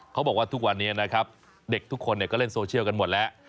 เขาบอกว่าทุกวันนี้นะครับเด็กทุกคนก็เล่นโซเชียลกันหมดแล้ว